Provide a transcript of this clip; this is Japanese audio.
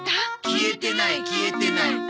消えてない消えてない。